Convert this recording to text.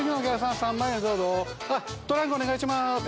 あっ、トランクお願いします。